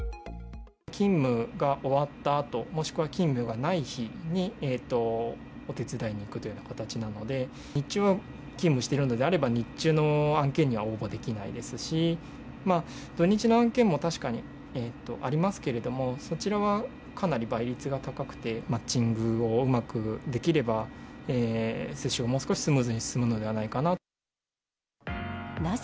勤務が終わったあと、もしくは勤務がない日に、お手伝いに行くというような形なので、日中は勤務しているのであれば、日中の案件には応募できないですし、土日の案件も確かにありますけれども、そちらはかなり倍率が高くて、マッチングをうまくできれば、接種がもう少しスムーズに進むのではないかなと。